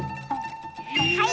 はい！